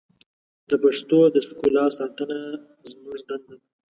د پښتو د ښکلا ساتنه زموږ دنده ده.